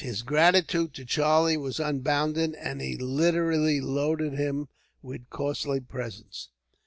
His gratitude to Charlie was unbounded, and he literally loaded him with costly presents.